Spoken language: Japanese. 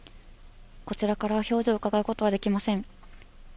こちらからは表情をうかがうことはできません。